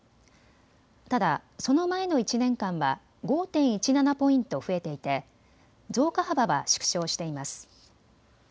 ただその前の１年間は５．１７ポイント増えていて増加幅は縮小しています。